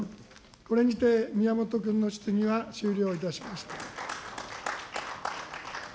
これにて宮本君の質疑は終了いたしました。